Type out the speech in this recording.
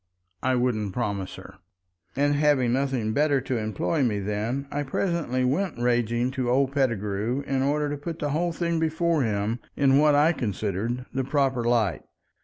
I wouldn't promise her. And—having nothing better to employ me then—I presently went raging to old Pettigrew in order to put the whole thing before him in what I considered the proper light.